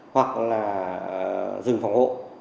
hoặc là dừng phòng hộ